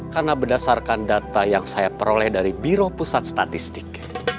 karena berdasarkan data yang saya peroleh dari biro pusat statistik